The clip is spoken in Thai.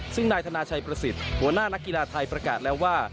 ซึ่งนายธนาชัยประสิทธิ์หัวหน้านักกีฬาไทยประกาศแล้วว่า